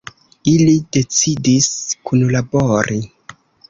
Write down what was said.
Ili decidis kunlabori.